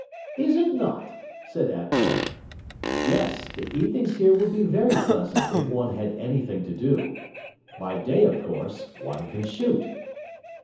'Is it not?' said Attwater. 'Yes, the evenings here would be very pleasant if one had anything to do. By day, of course, one can shoot.'